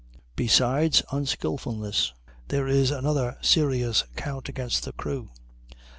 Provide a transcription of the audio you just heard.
Besides unskilfulness, there is another very serious count against the crew.